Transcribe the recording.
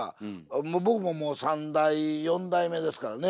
僕ももう３代４代目ですからね。